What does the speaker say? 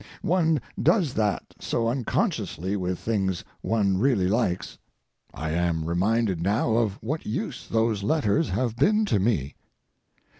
One does that so unconsciously with things one really likes. I am reminded now of what use those letters have been to me.